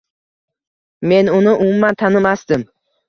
Men uni umuman tanimasdim.